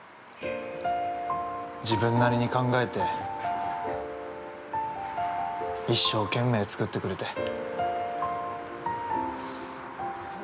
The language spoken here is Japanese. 自分なりに考えて、一生懸命作ってくれて。